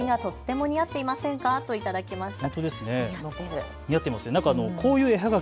のぼりがとっても似合っていませんかと頂きました。